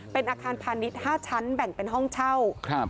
เป็นอาคารพาณิชย์๕ชั้นแบ่งเป็นห้องเช่า